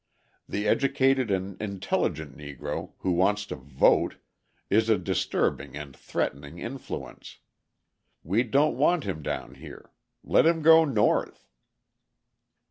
The educated and intelligent Negro, who wants to vote, is a disturbing and threatening influence. We don't want him down here; let him go North.